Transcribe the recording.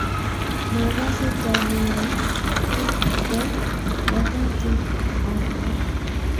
Makase takiyay ki eng lakatut ab ra